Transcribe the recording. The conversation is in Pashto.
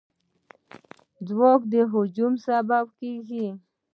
ځواک د هجوم سبب کېږي.